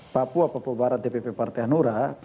papua papua barat dpp partai hanura